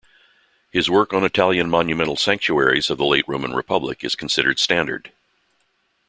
His work on Italian monumental sanctuaries of the late Roman Republic is considered standard.